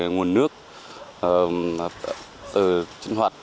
nguồn nước sinh hoạt